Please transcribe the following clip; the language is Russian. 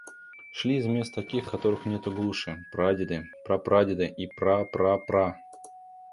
Шли из мест таких, которых нету глуше, — прадеды, прапрадеды и пра пра пра!..